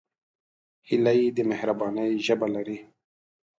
هیلۍ د مهربانۍ ژبه لري